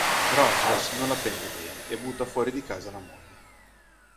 Rogers non la prende bene e butta fuori di casa la moglie.